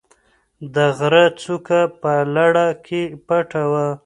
د غره څوکه په لړه کې پټه وه.